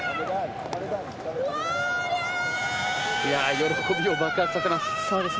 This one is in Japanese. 喜びを爆発させます。